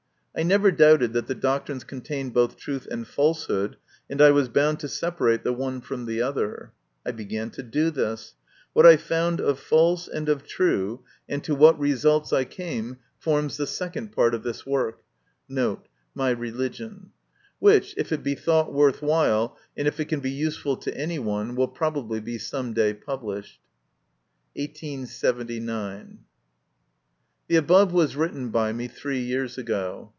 I never doubted that the doctrines contained both truth and falsehood, and I was bound to separate the one from the other. I began to do this. What I found of false and of true, and to what results I 144 MY CONFESSION. came, forms the second part of this work,* which, if it be thought worth while, and if it can be useful to anyone, will probably be some day published. 1879. The above was written by me three years ago.